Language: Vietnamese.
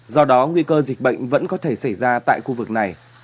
do đó nguy cơ dịch bệnh vẫn có thể xảy ra tại khu vực này